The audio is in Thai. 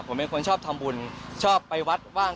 ผมเป็นคนชอบทำบุญชอบไปวัดว่าง